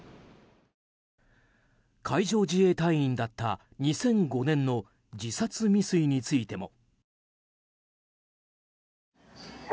海上自衛隊員だった２００５年の自殺未遂についても。